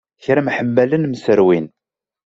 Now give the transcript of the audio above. Kra mḥemmalen mserwin.